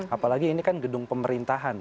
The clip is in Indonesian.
apalagi ini kan gedung pemerintahan